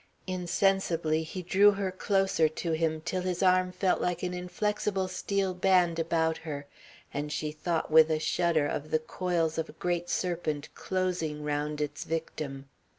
Insensibly he drew her closer to him till his arm felt like an inflexible steel band about her, and she thought with a shudder of the coils of a great serpent closing round its victim.